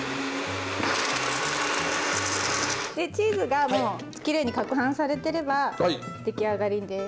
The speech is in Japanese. でチーズがきれいにかくはんされてれば出来上がりです。